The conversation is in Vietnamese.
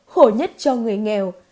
khổ nhất cho người nghèo